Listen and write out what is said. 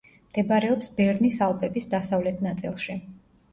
მდებარეობს ბერნის ალპების დასავლეთ ნაწილში.